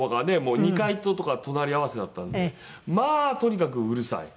２階ととか隣り合わせだったのでまあとにかくうるさい。